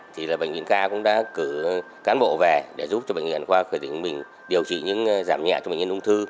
thì bệnh viện k cũng đã cử cán bộ về để giúp cho bệnh viện k khởi tỉnh ninh bình điều trị những giảm nhẹ cho bệnh viện ung thư